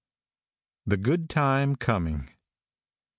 THE GOOD TIME COMING.